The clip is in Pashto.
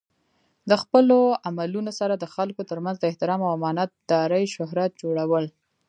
د خپلو عملونو سره د خلکو ترمنځ د احترام او امانت دارۍ شهرت جوړول.